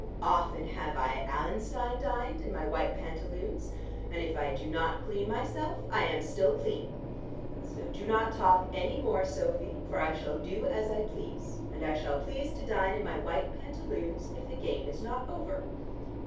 Often have I at Allenstein dined in my white pantaloons, and if I do not clean myself, I am still clean. So do not talk any more, Sophy, for I shall do as I please, and I shall please to dine in my white pantaloons if the game is not over.